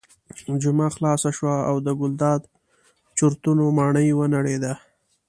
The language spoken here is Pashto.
جمعه خلاصه شوه او د ګلداد د چورتونو ماڼۍ ونړېده.